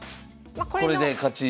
これで勝ち？